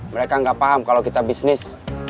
mereka nggak paham kalau kita bisnis